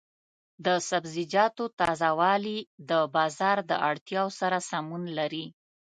د سبزیجاتو تازه والي د بازار د اړتیاوو سره سمون لري.